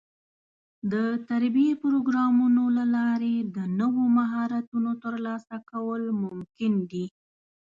د تربيتي پروګرامونو له لارې د نوو مهارتونو ترلاسه کول ممکن دي.